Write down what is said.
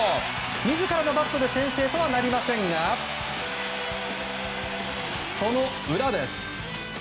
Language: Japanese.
自らのバットで先制とはなりませんがその裏です。